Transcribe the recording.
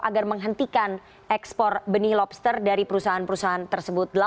agar menghentikan ekspor benih lobster dari perusahaan perusahaan tersebut